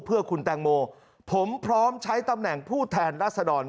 เพื่อคุณแตงโมผมพร้อมใช้ตำแหน่งผู้แทนรัศดร